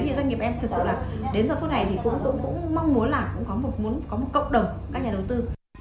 thì cũng mong muốn là có một cộng đồng các nhà đầu tư